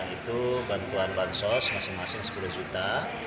itu bantuan bansos masing masing sepuluh juta